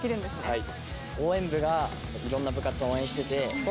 はい。